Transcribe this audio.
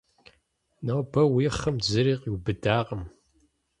Нобэ уи хъым зыри къиубыдакъым.